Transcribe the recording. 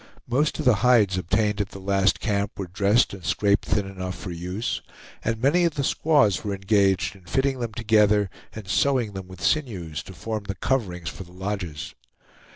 Most of the hides obtained at the last camp were dressed and scraped thin enough for use, and many of the squaws were engaged in fitting them together and sewing them with sinews, to form the coverings for the lodges.